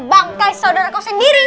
bangkai saudara kau sendiri